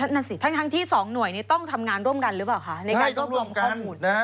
นั่นสิทั้งที่๒หน่วยนี้ต้องทำงานร่วมกันหรือเปล่าคะในการรวบรวมข้อมูล